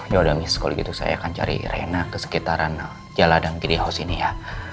ya udah miskul gitu saya akan cari rina kesekitaran jaladang gede house ini ya